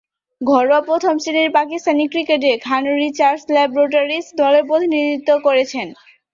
ঘরোয়া প্রথম-শ্রেণীর পাকিস্তানি ক্রিকেটে খান রিসার্চ ল্যাবরেটরিজ দলের প্রতিনিধিত্ব করছেন।